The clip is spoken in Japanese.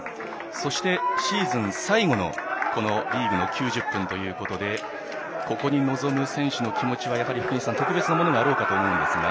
そしてシーズン最後のこのリーグの９０分ということでここに臨む選手の気持ちはやはり特別なものがあろうかと思いますが。